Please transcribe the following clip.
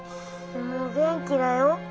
もう元気だよ。